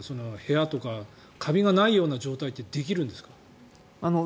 部屋とかカビがないような状態ってできるんですか？